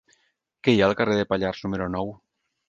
Què hi ha al carrer de Pallars número nou?